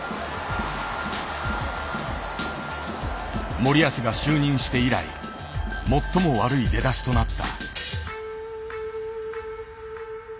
森保が就任して以来最も悪い出だしとなった。